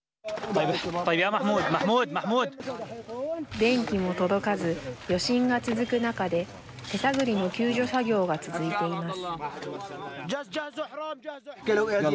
電気も届かず、余震が続く中で手探りの救助作業が続いています。